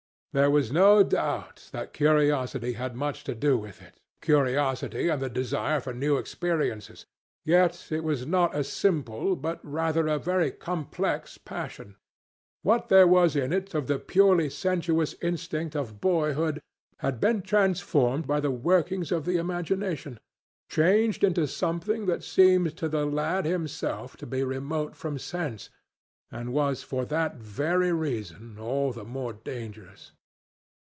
There was no doubt that curiosity had much to do with it, curiosity and the desire for new experiences, yet it was not a simple, but rather a very complex passion. What there was in it of the purely sensuous instinct of boyhood had been transformed by the workings of the imagination, changed into something that seemed to the lad himself to be remote from sense, and was for that very reason all the more dangerous.